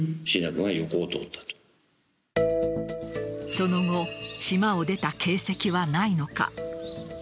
その後島を出た形跡はないのか。